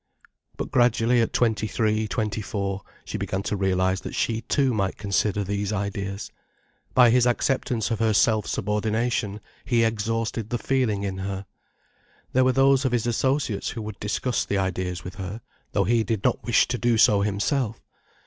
But gradually, at twenty three, twenty four, she began to realize that she too might consider these ideas. By his acceptance of her self subordination, he exhausted the feeling in her. There were those of his associates who would discuss the ideas with her, though he did not wish to do so himself.